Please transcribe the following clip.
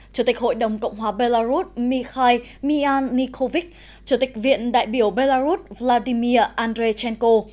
chủ tịch hội đồng cộng hòa belarus mikhail miannikovic chủ tịch viện đại biểu belarus vladimir andreychenko